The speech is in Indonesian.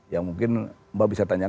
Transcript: ya mungkin mbak bisa tanyakan